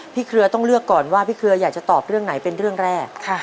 เครือต้องเลือกก่อนว่าพี่เครืออยากจะตอบเรื่องไหนเป็นเรื่องแรก